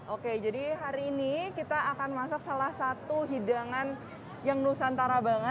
oke jadi hari ini kita akan masak salah satu hidangan yang nusantara banget